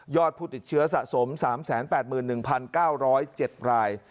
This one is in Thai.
ผู้ติดเชื้อสะสม๓๘๑๙๐๗ราย